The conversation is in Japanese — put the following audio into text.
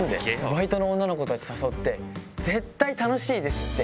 バイトの女の子たち誘って、絶対楽しいですって。